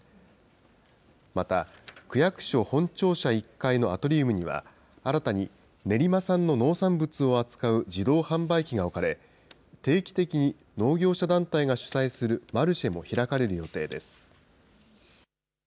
また、区役所本庁舎１階のアトリウムには、新たに練馬産の農産物を扱う自動販売機が置かれ、定期的に農業者団体が主催するマルシェも開かれる予定です。